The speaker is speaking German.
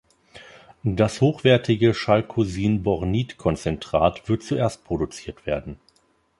Das hochwertige Chalkosin-Bornit-Konzentrat wird zuerst produziert werden.